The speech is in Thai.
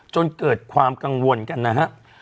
จนเกิดความกังวลกันนะฮะ